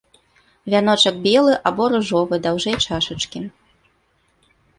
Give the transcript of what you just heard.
Вяночак белы або ружовы, даўжэй чашачкі.